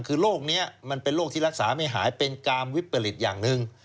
คือโรคนี้มันเป็นโรคที่รักษาไม่หายเป็นกามวิปริตอย่างหนึ่ง